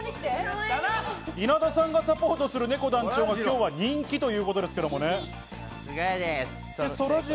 稲田さんがサポートするねこ団長が人気ということです。